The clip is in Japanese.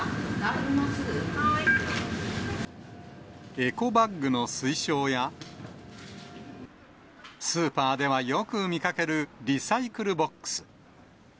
エコバッグの推奨や、スーパーではよく見かけるリサイクルボックス。